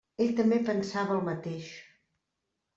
Ell també pensava el mateix.